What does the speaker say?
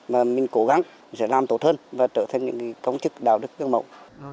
mà mình cố gắng sẽ làm tốt hơn và trở thành những công chức đạo đức tương mộng